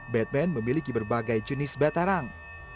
batman memiliki berbagai jenis batarang